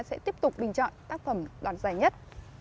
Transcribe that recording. sẽ tiếp tục bình chọn tác phẩm đoạn dài nhất